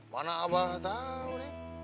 mana abah tau nih